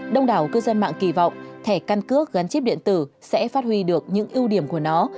đông đảo cư dân mạng kỳ vọng thẻ căn cước gắn chip điện tử sẽ phát huy được những ưu điểm của nó